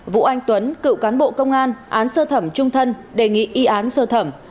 vũ anh tuấn cựu cán bộ công an án sơ thẩm trung thân đề nghị y án sơ thẩm